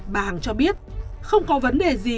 bà hằng cho biết không có vấn đề gì